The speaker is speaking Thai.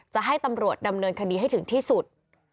จะให้ตำรวจดำเนินคดีให้ถึงที่สุด